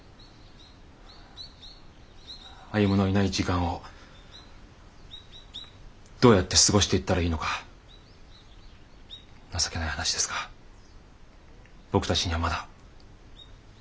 歩のいない時間をどうやって過ごしていったらいいのか情けない話ですが僕たちにはまだ考えられません。